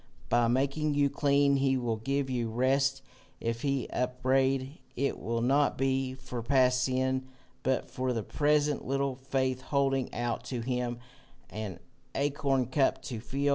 By making you clean he will give you rest. If he upbraid, it will not be for past sin, but for the present little faith, holding out to him an acorn cup to fill.